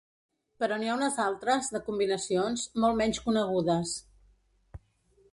Però n’hi ha unes altres, de combinacions, molt menys conegudes.